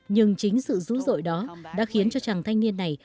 nhưng chính sự dữ dội đó đã khiến cho chàng thanh niên này